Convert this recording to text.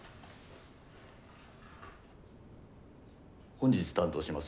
本日担当します